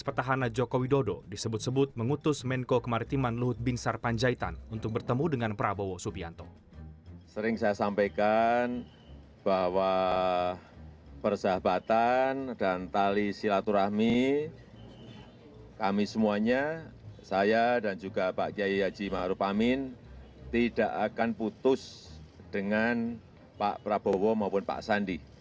bahwa persahabatan dan tali silaturahmi kami semuanya saya dan juga pak jaya yaji ma'ruf amin tidak akan putus dengan pak prabowo maupun pak sandi